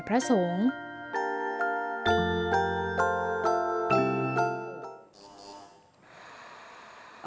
ออกรางวัลที่๖